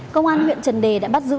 công an huyện trần đề đã bắt giữ